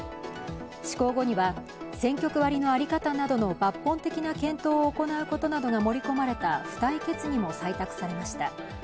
施行後には選挙区割りの在り方などの抜本的な検討を行うことなどが盛り込まれた付帯決議も採択されました。